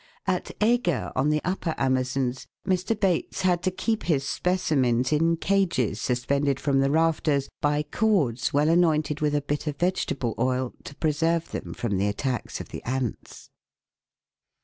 At Ega on the Upper Amazons, Mr. Bates had to keep his specimens in cages suspended from the rafters by cords MOUND BUILDING ANTS. 211 well anointed with a bitter vegetable oil to preserve them from the attacks of the ants.